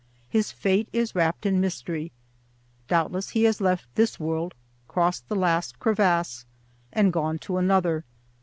His fate is wrapped in mystery. Doubtless he has left this world—crossed the last crevasse—and gone to another.